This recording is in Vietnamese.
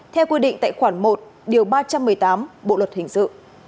theo quy định tại khoản một điều ba trăm một mươi tám bộ luật hình sự